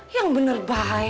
yang bener baik